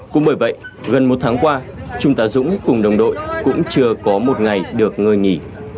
cũng bởi vậy gần một tháng qua trung tá dũng cùng đồng đội cũng chưa có một ngày được ngơi nghỉ